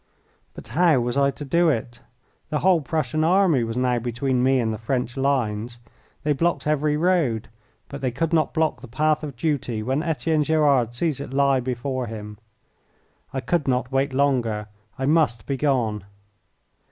But how was I to do it? The whole Prussian army was now between me and the French lines. They blocked every road, but they could not block the path of duty when Etienne Gerard sees it lie before him. I could not wait longer. I must be gone.